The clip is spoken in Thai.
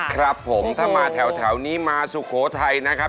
ครับผมถ้ามาแถวนี้มาสุโขทัยนะครับ